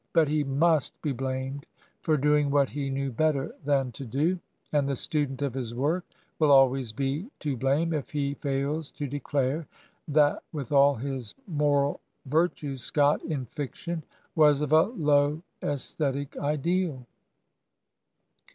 But he must be blamed for doing what he knew better than to do; and the student of his work will always be to blame if he fails to declare that with all his moral virtues Scott in fiction was of a low aesthetic ideal.